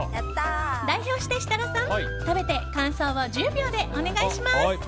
代表して設楽さん、食べて感想を１０秒でお願いします。